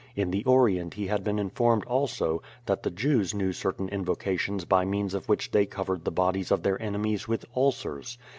In the Orient he had been informed, also, that the Jews knew certain invocations by means of which they covered the bodies of their enemies with ulcers.